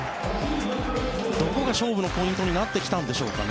どこが勝負のポイントになってきたんでしょうかね？